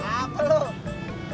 ingatlahari rabbitur hati